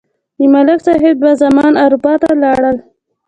د ملک صاحب دوه زامن اروپا ته لاړل.